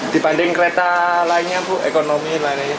dibanding kereta lainnya bu ekonomi lainnya